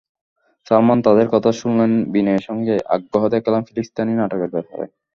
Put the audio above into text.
সালমান তাঁদের কথা শুনলেন বিনয়ের সঙ্গে, আগ্রহ দেখালেন ফিলিস্তিনি নাটকের ব্যাপারে।